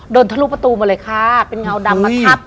ทะลุประตูมาเลยค่ะเป็นเงาดำมาทับ